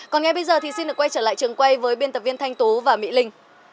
còn ngay bây giờ thì xin được quay trở lại trường quay với biên tập viên thanh tú và mỹ linh